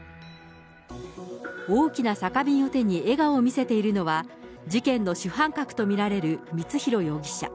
大きな酒瓶を手に笑顔を見せているのは、事件の主犯格と見られる光弘容疑者。